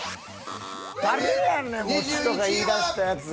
誰やねんもちとか言いだしたやつ。